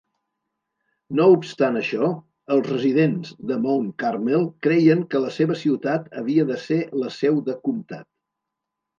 No obstant això, els residents de Mount Carmel creien que la seva ciutat havia de ser la seu de comtat.